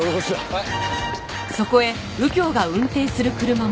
はい。